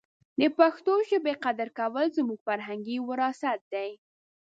د پښتو ژبې قدر کول زموږ فرهنګي وراثت دی.